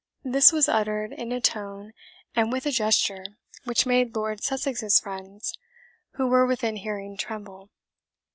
This was uttered in a tone and with a gesture which made Lord Sussex's friends who were within hearing tremble.